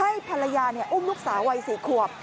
ให้ภรรยาอุ้มนุกสาวัยสี่ขวบ